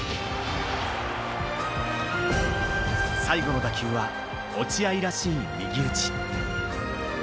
最後の打球は落合らしい右打ち。